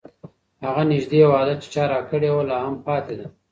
هغه نږدې وعده چې چا راکړې وه، لا هم پاتې ده.